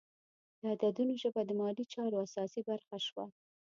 د عددونو ژبه د مالي چارو اساسي برخه شوه.